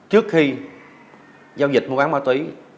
trước khi giao dịch mua bán ma túy